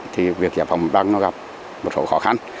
thì việc giải phóng băng nó gặp một số khó khăn